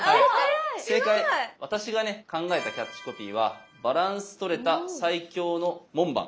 私がね考えたキャッチコピーは「バランス取れた最強の門番」。